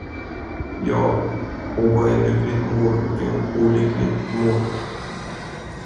Ja, hon var en lycklig mor och en olycklig mor.